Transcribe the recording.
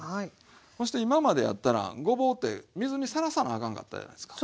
そして今までやったらごぼうって水にさらさなあかんかったやないですか。